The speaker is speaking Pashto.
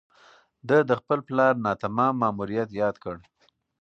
ده د خپل پلار ناتمام ماموریت یاد کړ.